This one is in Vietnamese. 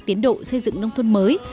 tiến độ xây dựng nông thôn mới